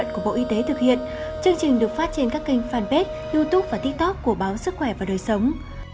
chương trình được phát trên các kênh fanpage youtube và tiktok của báo sức khỏe và đời sống